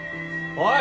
おい！！